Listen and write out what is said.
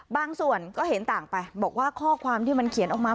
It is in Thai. ส่วนก็เห็นต่างไปบอกว่าข้อความที่มันเขียนออกมา